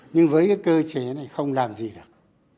nhưng với cái cơ chế này không làm gì được